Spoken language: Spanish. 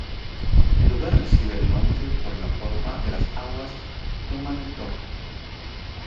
El lugar recibe el nombre por la forma de las aguas toman en torno.